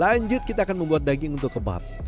lanjut kita akan membuat daging untuk kebab